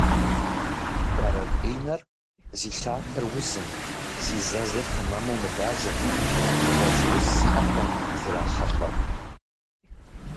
Бэрэтӏинэр зи лъатэр узым, зи зэзыр тэмэму мылажьэхэм, гъуэжь уз зиӏэхэми зрахьэлӏэ.